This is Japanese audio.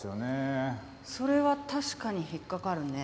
それは確かに引っかかるね。